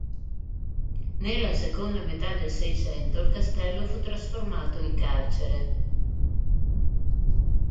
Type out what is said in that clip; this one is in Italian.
Nella seconda metà del Seicento il castello fu trasformato in carcere.